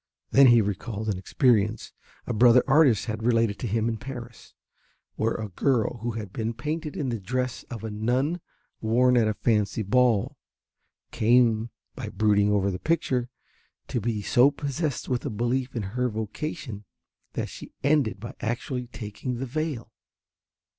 Then he recalled an experience a brother artist had related to him in Paris, where a girl who had been painted in the dress of a nun worn at a fancy ball, came, by brooding over the picture, to be so possessed with a belief in her vocation that she ended by actually taking the veil.